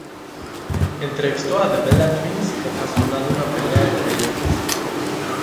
Entrevistó a The Bella Twins, ocasionando una pelea entre ellas.